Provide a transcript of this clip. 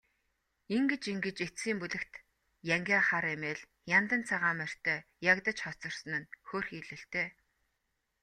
Ингэж ингэж эцсийн бүлэгт янгиа хар эмээл, яндан цагаан морьтой ягдаж хоцорсон нь хөөрхийлөлтэй.